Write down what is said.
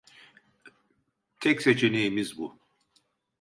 Tek seçeneğimiz bu.